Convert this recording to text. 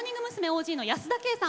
ＯＧの保田圭さん。